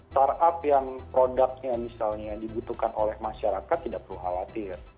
startup yang produknya misalnya dibutuhkan oleh masyarakat tidak perlu khawatir